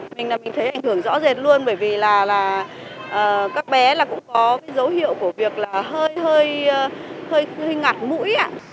mình thấy ảnh hưởng rõ rệt luôn bởi vì là các bé cũng có dấu hiệu của việc là hơi ngặt mũi